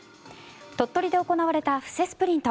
鳥取で行われた布勢スプリント。